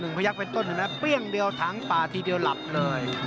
นึงพระยักษ์ไปต้นเปรี้ยงเดี๋ยวทางปลาทีเดียวหลับเลย